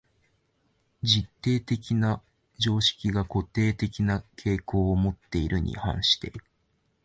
実定的な常識が固定的な傾向をもっているに反して、